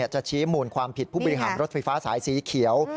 จะชี้มูลความผิดผู้บริหารรถไฟฟ้าสายสีเขียว